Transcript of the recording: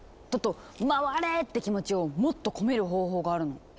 トット「回れ！」って気持ちをもっと込める方法があるの。